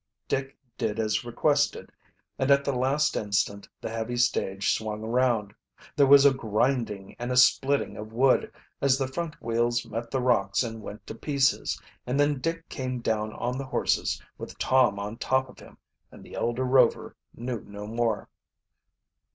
Dick did as requested, and at the last instant the heavy stage swung around. There was a grinding and a splitting of wood as the front wheels met the rocks and went to pieces, and then Dick came down on the horses, with Tom on top of him and the elder Rover knew no more.